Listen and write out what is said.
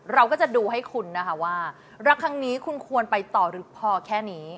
เราก็จะดูให้คุณนะคะว่ารักครั้งนี้คุณควรไปต่อหรือพอแค่นี้